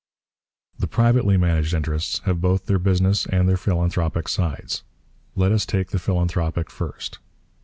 The privately managed interests have both their business and their philanthropic sides. Let us take the philanthropic first.